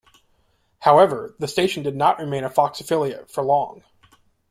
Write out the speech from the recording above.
However, the station did not remain a Fox affiliate for long.